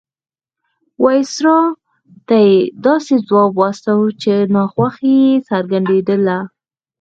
وایسرا ته یې داسې ځواب واستاوه چې ناخوښي یې څرګندېدله.